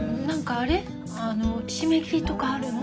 あの締め切りとかあるの？